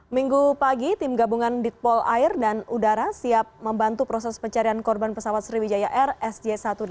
minggu pagi tim gabungan ditpol air dan udara siap membantu proses pencarian korban pesawat sriwijaya air sj satu ratus delapan puluh